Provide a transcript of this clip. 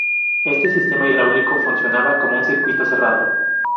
Este sistema hidráulico funcionaba como un circuito cerrado.